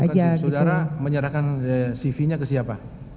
masukin cvnya saudara menyerahkan cvnya ke siapa